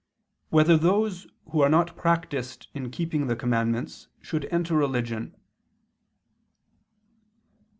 1] Whether Those Who Are Not Practiced in Keeping the Commandments Should Enter Religion?